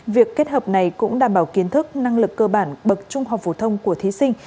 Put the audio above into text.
việc kết hợp này cũng đảm bảo kiến thức năng lực cơ bản bậc trung học phổ thông của thí sinh